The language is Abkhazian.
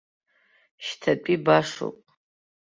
Шьҭатәи башоуп.